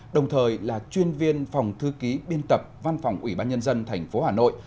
đồng thời là chuyên viên phòng thư ký biên tập văn phòng ủy ban nhân dân tp hà nội